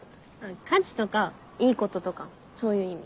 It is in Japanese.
価値とかいいこととかそういう意味。